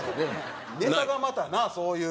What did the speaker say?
ネタがまたなそういう。